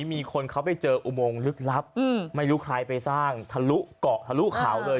มีคนเขาไปเจออุโมงลึกลับไม่รู้ใครไปสร้างทะลุเกาะทะลุเขาเลย